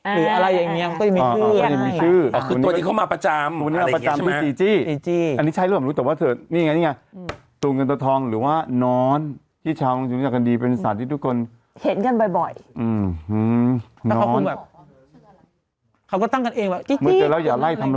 หรืออะไรอย่างนี้มันก็ยังมีชื่อค่ะค่ะ